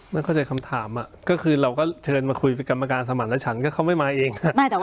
ไม่เข้าใจคำถามก็คือเราก็เชิญมาคุยกับกรรมการสมรรถฉันก็เขาไม่มาเอง